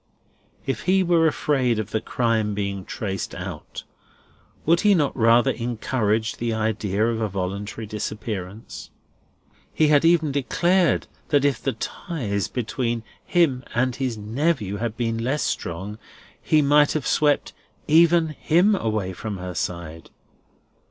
If he were afraid of the crime being traced out, would he not rather encourage the idea of a voluntary disappearance? He had even declared that if the ties between him and his nephew had been less strong, he might have swept "even him" away from her side.